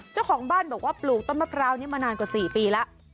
เจ้าของบ้านบอกว่าปลูกต้นมะพร้าวนี้มานานกว่า๔ปีแล้ว